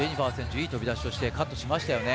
いい飛び出しをしてカットしましたよね。